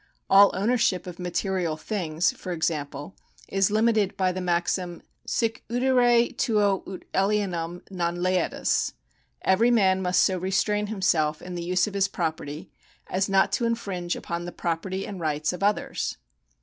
All ownership of material things, for example, is limited by the maxim, sic utere tuo ut alienum non laedas. Every man must so restrain himself in the use of his property, as not to infringe upon the property and rights of others.